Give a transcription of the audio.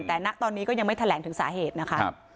แต่ณตอนนี้ก็ยังไม่แถลงถึงสาเหตุนะคะ